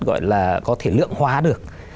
gọi là có thể lượng hóa được